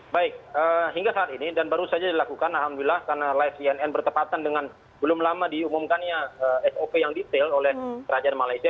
baik hingga saat ini dan baru saja dilakukan alhamdulillah karena live cnn bertepatan dengan belum lama diumumkannya sop yang detail oleh kerajaan malaysia